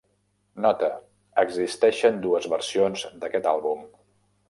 Nota: existeixen dues versions d'aquest àlbum.